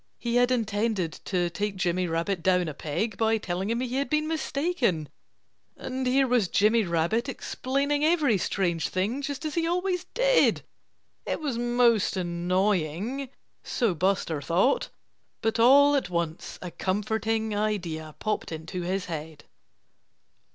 He had intended to take Jimmy Rabbit down a peg by telling him he had been mistaken. And here was Jimmy Rabbit, explaining every strange thing, just as he always did! It was most annoying so Buster thought. But all at once a comforting idea popped into his head.